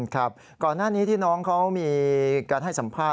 ครับก่อนหน้านี้ที่น้องเขามีการให้สัมภาษ